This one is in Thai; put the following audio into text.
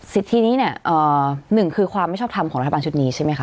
ทีนี้เนี่ยหนึ่งคือความไม่ชอบทำของรัฐบาลชุดนี้ใช่ไหมคะ